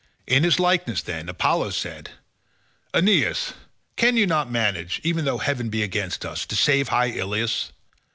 In his likeness, then, Apollo said, "Aeneas, can you not manage, even though heaven be against us, to save high Ilius?